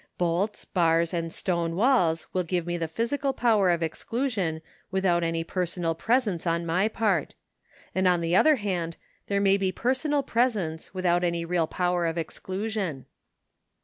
Bolts, bars, and stone walls will give me the physical power of exclusion without any personal presence on my part ; and on the other hand there may be personal presence without any real power of exclusion.